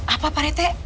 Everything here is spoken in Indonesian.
apa pak rete